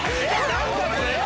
何だ⁉これ。